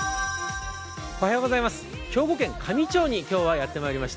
兵庫県香美町に今日はやってまいりました。